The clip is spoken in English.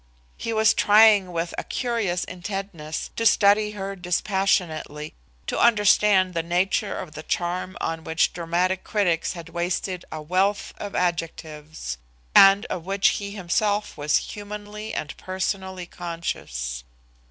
He was trying with a curious intentness to study her dispassionately, to understand the nature of the charm on which dramatic critics had wasted a wealth of adjectives, and of which he himself was humanly and personally conscious.